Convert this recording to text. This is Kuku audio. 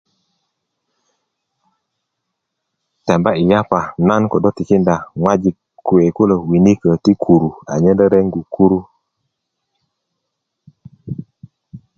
temba i yapa nan kodo tikinda ŋojik kuwe kulo winiko ti kuru anyen rerengu kuru